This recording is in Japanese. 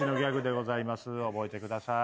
覚えてください。